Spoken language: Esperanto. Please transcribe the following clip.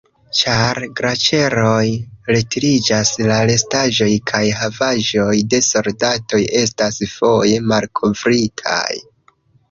Ĉar glaĉeroj retiriĝas, la restaĵoj kaj havaĵoj de soldatoj estas foje malkovritaj.